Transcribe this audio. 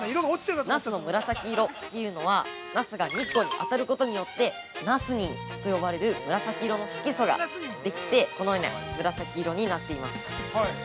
ナスの紫色というのは、ナスが日光に当たることによって、ナスニンと呼ばれる紫色の色素ができてこのような紫色になっています。